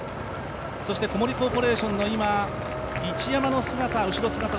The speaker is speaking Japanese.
そして小森コーポレーションの市山の後ろ姿。